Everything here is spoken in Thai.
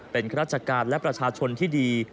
เป็นข้าราชการและประชาชนที่ดี